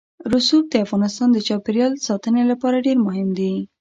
رسوب د افغانستان د چاپیریال ساتنې لپاره ډېر مهم دي.